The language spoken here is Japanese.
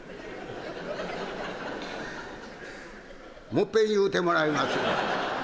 「もいっぺん言うてもらえます？」。